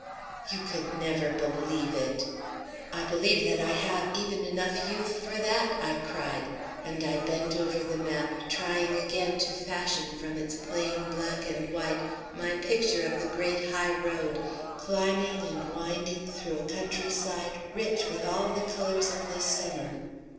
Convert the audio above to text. "You could never believe it." "I believe that I have even enough youth for that," I cried, and I bent over the map, trying again to fashion from its plain black and white my picture of the great high road, climbing and winding through a country side rich with all the colours of the summer.